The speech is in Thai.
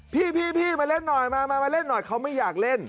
พี่มาเล่นหน่อยเขาไม่อยากเล่น